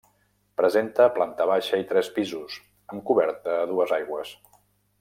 Presenta planta baixa i tres pisos, amb coberta a dues aigües.